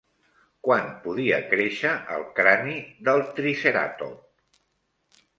Quan podia créixer el crani del triceratop?